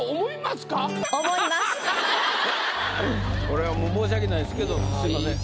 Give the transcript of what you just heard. これはもう申し訳ないですけどすいません